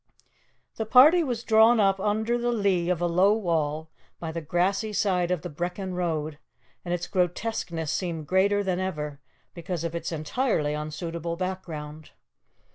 The party was drawn up under the lee of a low wall by the grassy side of the Brechin road, and its grotesqueness seemed greater than ever because of its entirely unsuitable background.